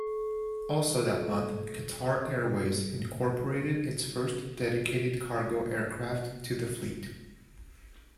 Also that month, Qatar Airways incorporated its first dedicated cargo aircraft to the fleet.